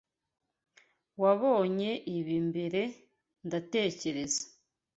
Wabonye ibi mbere, ndatekereza.